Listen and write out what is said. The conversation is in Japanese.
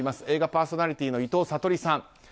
映画パーソナリティーの伊藤さとりさん。